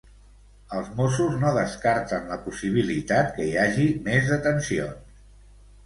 Els Mossos no descarten la possibilitat que hi hagi més detencions.